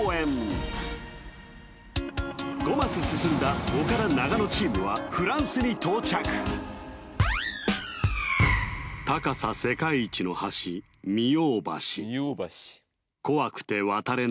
５マス進んだ岡田長野チームはフランスに到着高さ世界一の橋ミヨー橋嘘でしょ？